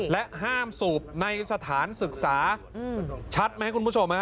และห้ามสูบในสถานศึกษาชัดไหมคุณผู้ชม